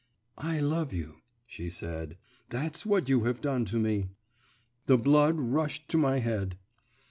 'I love you,' she said; 'that's what you have done to me.' The blood rushed to my head.